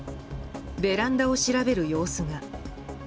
ベランダを調べる様子が。